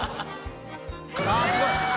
あっすごい！